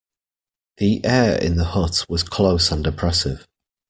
The air in the hut was close and oppressive.